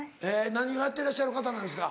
何をやってらっしゃる方なんですか？